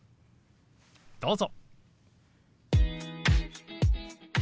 どうぞ。